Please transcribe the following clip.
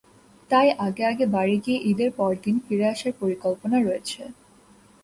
তাই আগে আগে বাড়ি গিয়ে ঈদের পরদিন ফিরে আসার পরিকল্পনা রয়েছে।